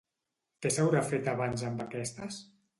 Què s'haurà fet abans amb aquestes?